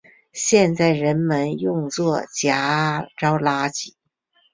现在人们用作夹着垃圾。